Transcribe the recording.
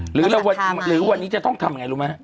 หรือวันนี้จะต้องทำอย่างไรรู้ไหมฮะ